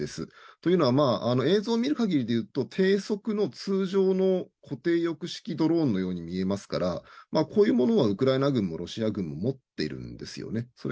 というのは、映像を見るかぎりで言うと、低速の通常の固定翼式ドローンに見えますからこういうものはロシア軍もウクライナ軍も持っているんですよね。